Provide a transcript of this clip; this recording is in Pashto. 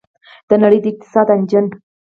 د نړۍ د اقتصاد انجن.